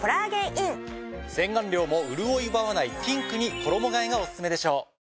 洗顔料もうるおい奪わないピンクに衣替えがオススメでしょう。